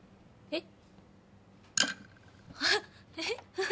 えっ？